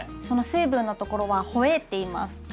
その水分のところはホエーっていいます。